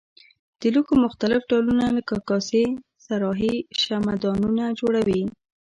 د لوښو مختلف ډولونه لکه کاسې صراحي شمعه دانونه جوړوي.